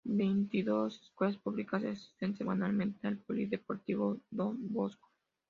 Veintidós escuelas públicas asisten semanalmente al Polideportivo Don Bosco.